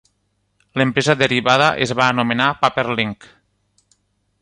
L'empresa derivada es va anomenar Paperlinx.